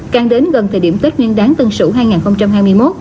càng đến gần thời điểm tết nguyên đáng tân sửu hai nghìn hai mươi một